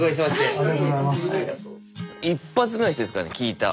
一発目の人ですからね聞いた。